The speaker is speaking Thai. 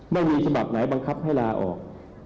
ไม่มีฉบับไหนบังคับให้ลาออก